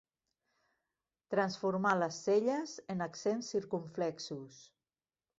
Transformar les celles en accents circumflexos.